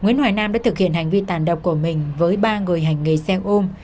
nguyễn hoài nam đã thực hiện hành vi tàn độc của mình với ba người hành nghề xe ôm